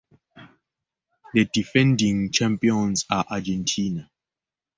The defending champions are Argentina.